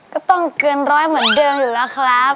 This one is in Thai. ก็ต้องเกินร้อยเหมือนเดิมอยู่แล้วครับ